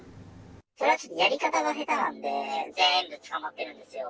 それはやり方が下手なんで、ぜーんぶ捕まってるんですよ。